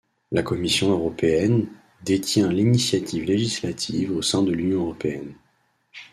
La Commission européenne détient l'initiative législative au sein de l'Union européenne.